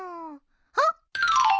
あっ！